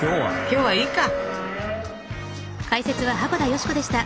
今日はいいか。